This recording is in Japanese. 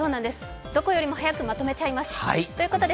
どこよりも早くまとめちゃいます。